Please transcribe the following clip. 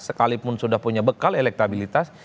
sekalipun sudah punya bekal elektabilitas